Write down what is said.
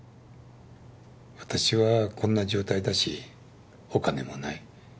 私はこんな状態だしお金もない。